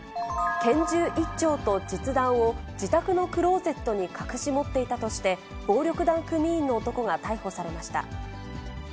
拳銃１丁と実弾を自宅のクローゼットに隠し持っていたとして、暴力団組員の男が逮捕されました。